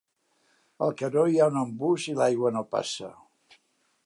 Al canó hi ha un embús i l'aigua no passa.